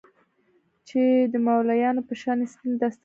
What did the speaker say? چې د مولويانو په شان يې سپين دستار تړلى و.